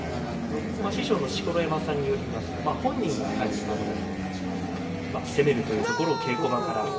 師匠の錣山さんによりますと、本人が攻めるというところ、稽古場から。